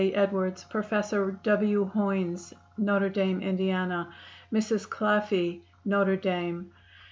Edwards, Professor W. Hoynes, Notre Dame, Ind.; Mrs. Claffey, Notre Dame.